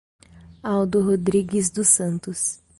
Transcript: Aldo Rodrigues dos Santos